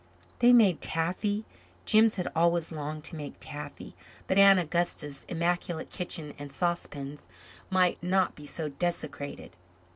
They made taffy. Jims had always longed to make taffy, but Aunt Augusta's immaculate kitchen and saucepans might not be so desecrated.